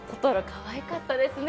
かわいかったね